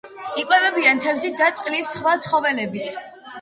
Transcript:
იკვებებიან თევზით და წყლის სხვა ცხოველებით.